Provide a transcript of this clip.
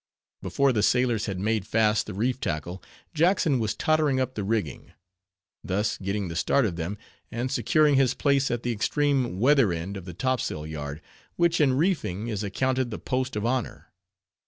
Before the sailors had made fast the reef tackle, Jackson was tottering up the rigging; thus getting the start of them, and securing his place at the extreme weather end of the topsail yard—which in reefing is accounted the post of honor.